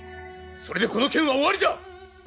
それでこの件は終わりじゃ！